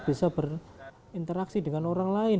bisa berinteraksi dengan orang lain